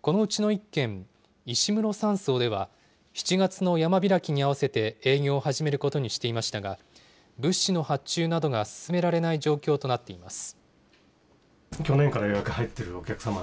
このうちの１軒、石室山荘では、７月の山開きに合わせて営業を始めることにしていましたが、物資の発注などが進められない状況となっています。